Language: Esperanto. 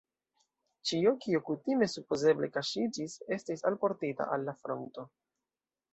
Ĉio, kio kutime supozeble kaŝiĝis, estis alportita al la fronto.